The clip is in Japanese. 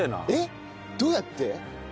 えっどうやって？